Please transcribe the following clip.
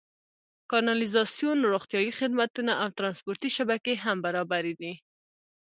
کانالیزاسیون، روغتیايي خدمتونه او ټرانسپورتي شبکې هم برابرې دي.